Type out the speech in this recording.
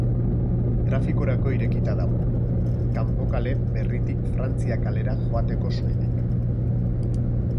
Trafikorako irekita dago, Kanpo kale berritik Frantzia kalera joateko soilik.